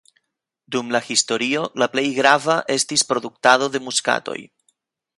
Dum la historio la plej grava estis produktado de muskatoj.